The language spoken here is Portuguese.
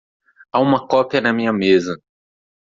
Há uma cópia na minha mesa.